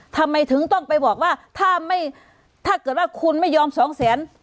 ทำไมถึงต้องไปบอกว่าถ้าไม่ถ้าเกิดว่าคุณไม่ยอมสองแสน